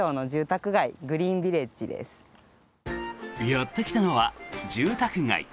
やってきたのは住宅街。